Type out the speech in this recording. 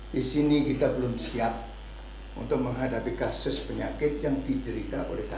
di sini kita belum siap untuk menghadapi kasus penyakit yang diderita oleh kpk